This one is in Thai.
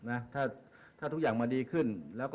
อาจขาดทุกอย่างมาดีขึ้น